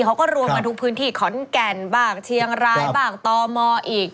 เขาก็รวมกันทุกพื้นที่ขอนแก่นบ้างเชียงรายบ้างตมอีก